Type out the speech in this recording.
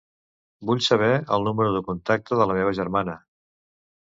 Vull saber el número de contacte de la meva germana.